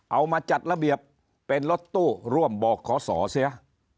เอามาจัดระเบียบเป็นรถตู้ร่วมบอกขอสอเสีย